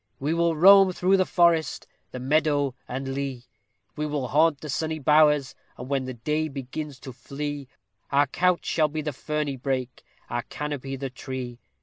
We will roam through the forest, the meadow, and lea; We will haunt the sunny bowers, and when day begins to flee, Our couch shall be the ferny brake, our canopy the tree.